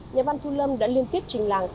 nhà văn thu lâm đã liên tiếp trình làng